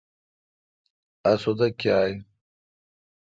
اسودہ کیا این۔